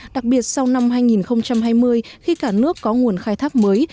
đặc biệt sau năm hai nghìn hai mươi khi cả nước có nguồn khai thác mới